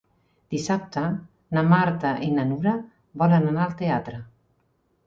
Dissabte na Marta i na Nura volen anar al teatre.